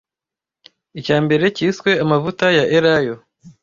Icyambere cyiswe amavuta ya elayo